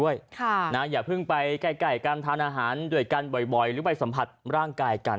อย่าเพิ่งไปใกล้การทานอาหารด้วยกันบ่อยหรือไปสัมผัสร่างกายกัน